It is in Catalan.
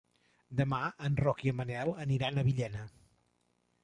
Demà en Roc i en Manel aniran a Villena.